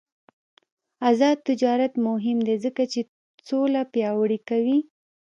آزاد تجارت مهم دی ځکه چې سوله پیاوړې کوي.